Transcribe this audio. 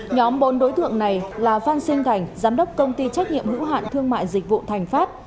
nhóm bốn đối tượng này là phan sinh thành giám đốc công ty trách nhiệm hữu hạn thương mại dịch vụ thành phát